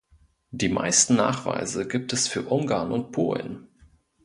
Die meisten Nachweise gibt es für Ungarn und Polen.